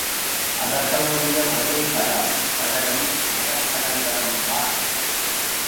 அவர்களுடைய ஒரே பலம் கடலும் மரக்கலங்களும்தான்.